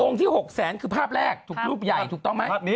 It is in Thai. โอ้งที่๖๐๐๐๐๐บาทคือภาพแรกถูกรูปใหญ่ถูกต้องไหม